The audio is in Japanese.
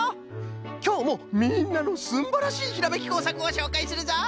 きょうもみんなのすんばらしいひらめきこうさくをしょうかいするぞい！